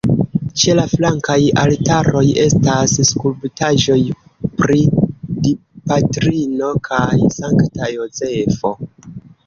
Ĉe la flankaj altaroj estas skulptaĵoj pri Dipatrino kaj Sankta Jozefo.